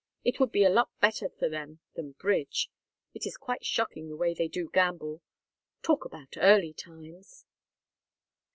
It would be a lot better for them than bridge. It is quite shocking the way they do gamble. Talk about early times!"